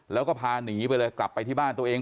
แล้วก็พาหนีไปเลยกลับไปที่บ้านตัวเอง